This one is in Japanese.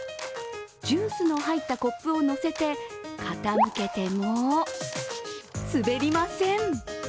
ジュースの入ったコップを載せて傾けても、滑りません。